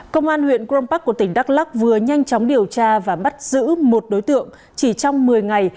công an huyện crom park của tỉnh đắk lắc vừa nhanh chóng điều tra và bắt giữ một đối tượng chỉ trong một mươi ngày